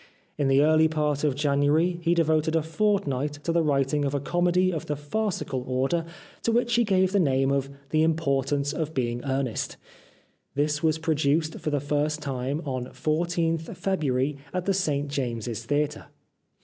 In the early part of January he devoted a fortnight to the writing of a comedy of the farcical order to which he gave the name of " The Importance of Being Earnest ": this was produced for the first time on 14th February at the St J ames' s Theatre